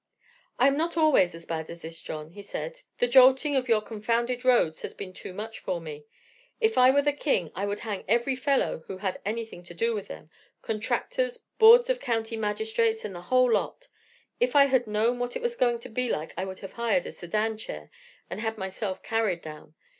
"I am not always as bad as this, John," he said; "the jolting of your confounded roads has been too much for me. If I were the King I would hang every fellow who had anything to do with them contractors, boards of county magistrates, and the whole lot. If I had known what it was going to be like I would have hired a sedan chair, and had myself carried down.